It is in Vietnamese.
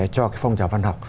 cho cái phong trào văn học